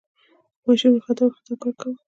ماشین ورخطا ورخطا کار کاوه.